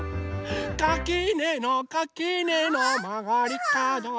「かきねのかきねのまがりかど」